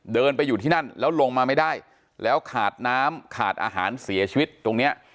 เดินไปอยู่ที่นั่นแล้วลงมาไม่ได้แล้วขาดน้ำขาดอาหารเสียชีวิตตรงเนี้ย